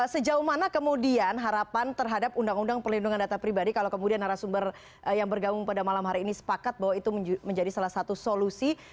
sejauh mana kemudian harapan terhadap undang undang perlindungan data pribadi kalau kemudian narasumber yang bergabung pada malam hari ini sepakat bahwa itu menjadi salah satu solusi